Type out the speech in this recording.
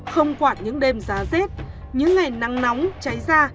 không quản những đêm giá rét những ngày nắng nóng cháy ra